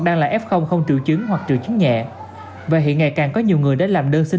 đang là f không triệu chứng hoặc triệu chứng nhẹ và hiện ngày càng có nhiều người đã làm đơn xin